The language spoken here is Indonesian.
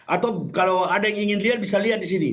atau kalau ada yang ingin lihat bisa lihat di sini